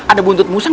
ada buntut musang